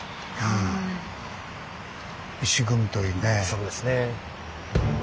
そうですね。